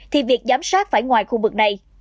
thì việc giám sát phải ngoài khu vực này